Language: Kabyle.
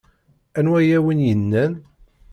Anwa ay awen-yennan?